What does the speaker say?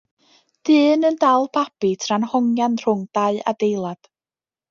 Dyn yn dal babi tra'n hongian rhwng dau adeilad.